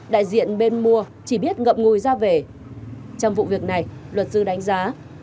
đại diện bên mua chỉ biết ngậm ngùi ra về trong vụ việc này luật sư đánh giá